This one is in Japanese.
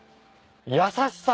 優しさ。